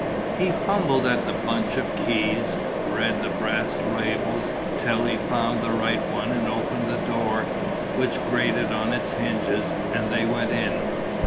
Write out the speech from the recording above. He fumbled at the bunch of keys, read the brass labels till he found the right one and opened the door, which grated on its hinges; and they went in.